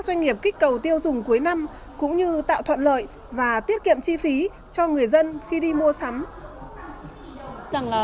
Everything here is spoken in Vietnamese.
doanh nghiệp kích cầu tiêu dùng cuối năm cũng như tạo thuận lợi và tiết kiệm chi phí cho người dân khi đi mua sắm